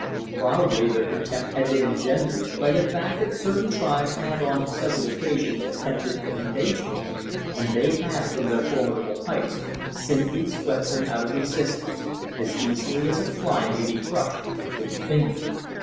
Probably their contempt had been engendered by the fact that certain tribes had on several occasions attempted an invasion, and they had from their formidable heights simply swept them out of existence as easily as a fly may be crushed with the finger.